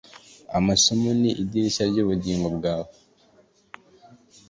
amaso ni idirishya ry'ubugingo bwawe